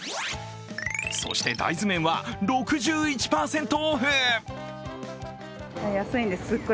そして、大豆麺は６１％オフ。